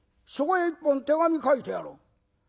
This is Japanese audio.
そこへ一本手紙書いてやろう。